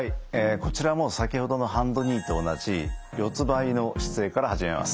こちらも先ほどのハンドニーと同じ四つばいの姿勢から始めます。